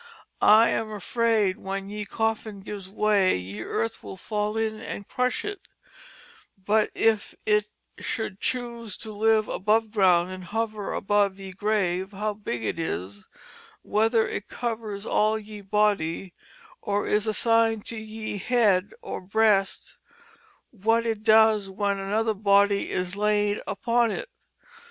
I am afraid when ye Coffin gives way ye Earth will fall in and crush it, but if it should chuse to live above Ground and hover above y^e Grave how big it is, whether it covers all ye body, or is assined to y^e Head or Breast, w^t it does when another Body is laid upon it.